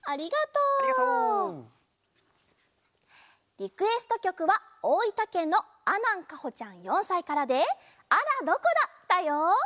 リクエストきょくはおおいたけんのあなんかほちゃん４さいからで「あらどこだ」だよ。